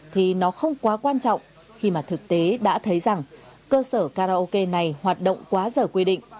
thì nó không quá quan trọng khi mà thực tế đã thấy rằng cơ sở karaoke này hoạt động quá giờ quy định